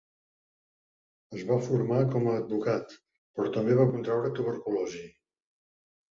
Es va formar com a advocat, però també va contraure tuberculosi.